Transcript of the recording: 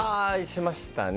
しましたね。